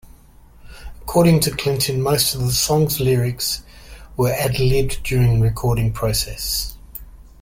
According to Clinton, most of the song's lyrics were ad-libbed during the recording process.